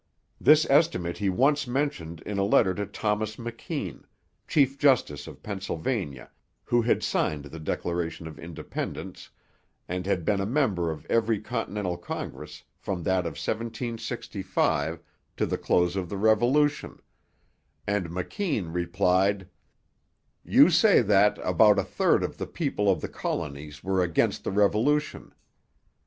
This estimate he once mentioned in a letter to Thomas McKean, chief justice of Pennsylvania, who had signed the Declaration of Independence, and had been a member of every Continental Congress from that of 1765 to the close of the Revolution; and McKean replied, 'You say that ... about a third of the people of the colonies were against the Revolution.